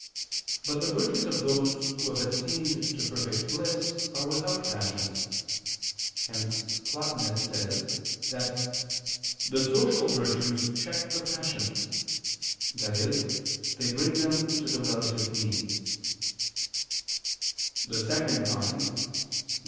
But the virtues of those who have attained to perfect bliss are without passions. Hence Plotinus says (Cf. Macrobius, Super Somn. Scip. 1) that "the social virtues check the passions," i.e. they bring them to the relative mean; "the second kind," viz.